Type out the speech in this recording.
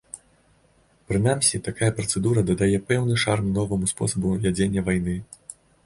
Прынамсі, такая працэдура дадае пэўны шарм новаму спосабу вядзення вайны.